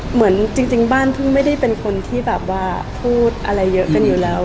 เหมือนจริงบ้านเพิ่งไม่ได้เป็นคนที่แบบว่าพูดอะไรเยอะกันอยู่แล้ว